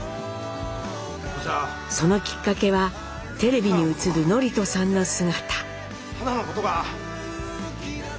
そのきっかけはテレビに映る智人さんの姿。